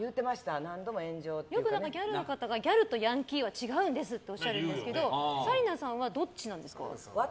よくギャルの方がギャルとヤンキーは違うんですっておっしゃるんですけど紗理奈さんはどっちなんですか？